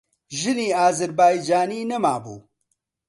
ژنی ئازەربایجانیی نەمابوو.